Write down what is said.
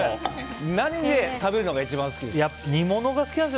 何で食べるのが一番好きですか。